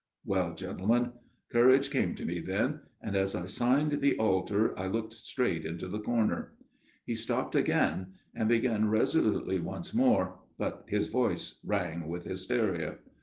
" Well, gentlemen courage came to me then ; 150 A MIRROR OF SHALOTT and as I signed the altar I looked straight into the corner." He stopped again ; and began resolutely once more ; but his voice rang with hysteria.